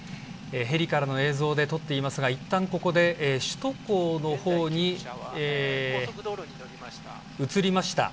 ヘリからの映像で撮っていますがいったん、ここで首都高のほうに移りました。